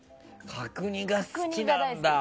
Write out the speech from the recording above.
角煮が好きなんだ。